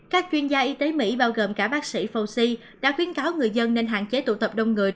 các chuyên gia y tế mỹ bao gồm cả bác sĩ fauci đã khuyến cáo người dân nên hạn chế tụ tập đông người